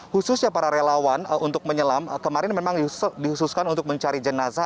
khususnya para relawan untuk menyelam kemarin memang dihususkan untuk mencari jenazah